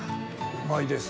うまいです。